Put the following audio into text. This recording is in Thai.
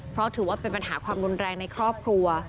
เพราะถือว่าเป็นปัญหาความรุนแรงในครอบครัว